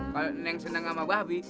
kalau seneng sama babi